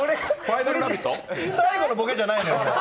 最後のボケじゃないのよ